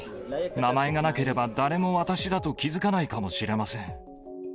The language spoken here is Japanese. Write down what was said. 名前がなければ誰も私だと気付かないかもしれません。